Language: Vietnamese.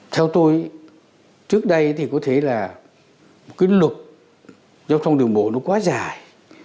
theo tôi trước đây thì có thể là một cái luật giao thông đường bộ nó quá dài